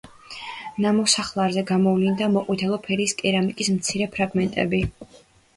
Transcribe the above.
ნამოსახლარზე გამოვლინდა მოყვითალო ფერის კერამიკის მცირე ფრაგმენტები.